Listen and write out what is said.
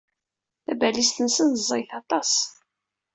Tabalizt-nsen ẓẓayet aṭas.